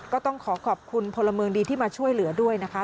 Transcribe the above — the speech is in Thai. ก็ต้องขอขอบคุณพลเมืองดีที่มาช่วยเหลือด้วยนะคะ